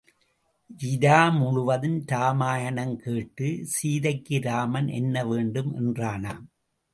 இரா முழுதும் ராமாயணம் கேட்டுச் சீதைக்கு ராமன் என்ன வேண்டும் என்றானாம்.